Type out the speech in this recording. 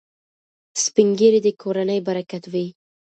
سپین ږیري د کورنۍ برکت وي.